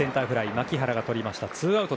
牧原がとりました。